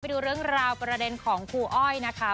ดูเรื่องราวประเด็นของครูอ้อยนะคะ